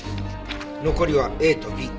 残りはＡとＢ。